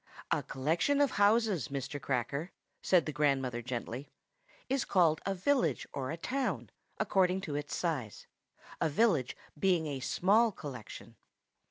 "A collection of houses, Mr. Cracker," said the grandmother gently, "is called a village or a town, according to its size; a village being a small collection."